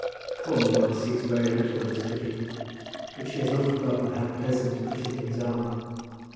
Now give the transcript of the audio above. Poor mamma sees very little that is pretty; but she has not forgotten how pleasant pretty things are."